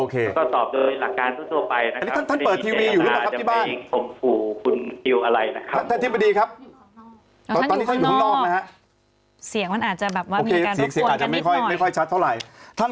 ใช่ครับโอเคก็ตอบโดยหลักการสั้นสั้นตัวไปท่านเปิดทีวีอยู่หรือเปล่าบ้าน